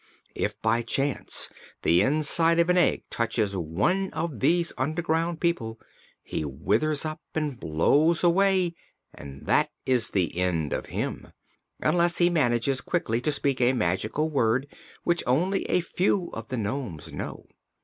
If by chance the inside of an egg touches one of these underground people, he withers up and blows away and that is the end of him unless he manages quickly to speak a magical word which only a few of the nomes know.